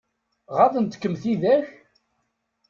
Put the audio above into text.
Ɣaḍent-kem tidak?